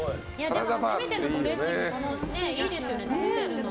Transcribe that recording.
でも初めてのドレッシングいいですよね。